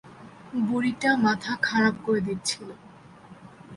বুড়িটা মাথা খারাপ করে দিচ্ছিলো।